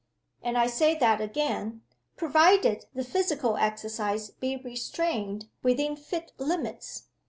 And I say that again provided the physical exercise be restrained within fit limits.